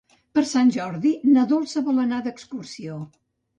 Per Sant Jordi na Dolça vol anar d'excursió.